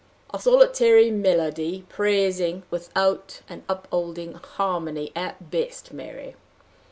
"A solitary melody, praising without an upholding harmony, at best, Mary!"